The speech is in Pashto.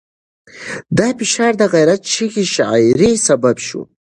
دا فشار د غیرت چغې شاعرۍ سبب شو.